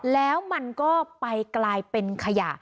แล้วมันก็ไปกลายเป็นขยะ